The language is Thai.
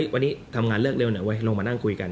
วันนี้ทำงานเลือกเร็วหน่อยเว้ยลงมานั่งคุยกัน